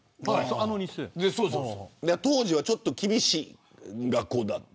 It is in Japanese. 当時はちょっと厳しい学校だった。